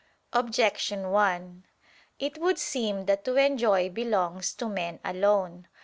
Objection 1: It would seem that to enjoy belongs to men alone.